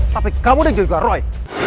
tapi kamu dan juga roy